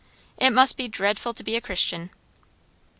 "It must be dreadful to be a Christian!"